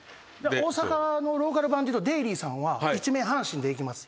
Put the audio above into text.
大阪のローカル版っていうとデイリーさんは１面阪神でいきます。